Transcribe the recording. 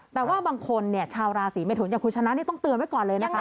แต่ว่าบางคนเนี่ยชาวราศีเมทุนอย่างคุณชนะนี่ต้องเตือนไว้ก่อนเลยนะคะ